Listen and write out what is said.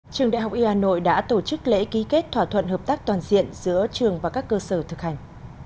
trường đại học y hà nội đã tổ chức lễ ký kết thỏa thuận hợp tác toàn diện giữa trường và các cơ sở thực hành